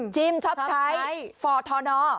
จิมช็อปชัยฟอร์ทธอนอร์